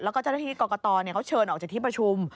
แล้วก็เจ้าหน้าที่กรกตเขาเชิญออกจากที่ประชุม